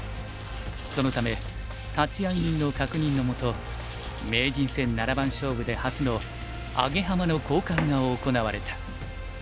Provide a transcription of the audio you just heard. そのため立会人の確認のもと名人戦七番勝負で初のアゲハマの交換が行われた。